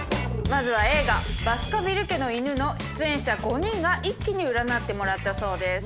まずは映画『バスカヴィル家の犬』の出演者５人が一気に占ってもらったそうです。